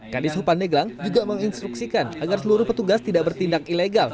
kadis upandeglang juga menginstruksikan agar seluruh petugas tidak bertindak ilegal